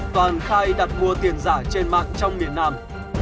toàn khai đặt mua tiền giả trên mạng trong miền nam